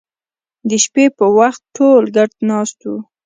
د شپې په وخت ټول ګډ ناست وو